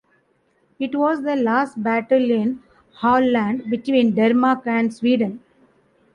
It was the last battle in Halland between Denmark and Sweden.